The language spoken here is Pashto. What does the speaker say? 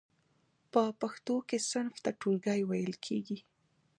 په پښتو کې صنف ته ټولګی ویل کیږی.